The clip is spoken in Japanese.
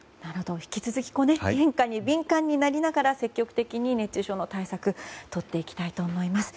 引き続き変化に敏感になりながら積極的に熱中症の対策をとっていきたいと思います。